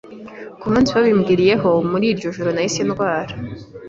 Ku munsi babimbwiriyeho muri iryo joro nahise ndwara